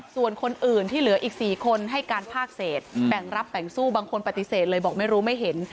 ส่วนคนอื่นที่เหลืออีก๔คนให้การภาคเศษแบ่งรับแบ่งสู้บางคนปฏิเสธเลยบอกไม่รู้ไม่เห็น